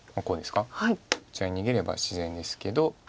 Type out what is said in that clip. こちら逃げれば自然ですけど。